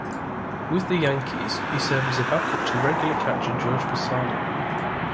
With the Yankees, he served as a back-up to regular catcher Jorge Posada.